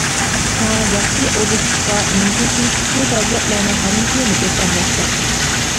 شۇڭا «ياخشى» ئوبيېكتقا مۇمكىنچىلىكتىكى پەزىلەتلەرنىڭ ھەممىسى مۇجەسسەملەشكەن.